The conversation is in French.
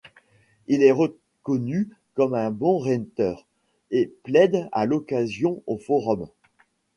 Il est reconnu comme un bon rhéteur, et plaide à l'occasion au forum.